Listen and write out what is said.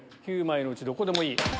９枚のうちどこでもいい。